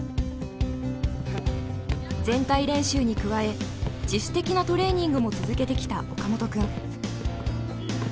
全体練習に加え自主的なトレーニングも続けてきた岡本君。